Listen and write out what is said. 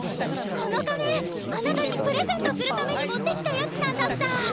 この仮面あなたにプレゼントするために持ってきたやつなんだった！